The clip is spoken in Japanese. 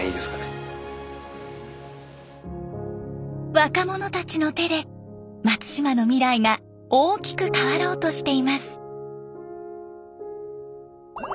若者たちの手で松島の未来が大きく変わろうとしています。